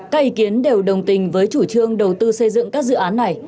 các ý kiến đều đồng tình với chủ trương đầu tư xây dựng các dự án này